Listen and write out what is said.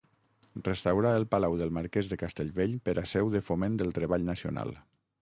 Restaurà el palau del marquès de Castellvell per a seu de Foment del Treball Nacional.